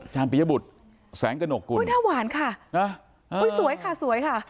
ปียบุตรแสงกระหนกกุลอุ้ยหน้าหวานค่ะนะอุ้ยสวยค่ะสวยค่ะ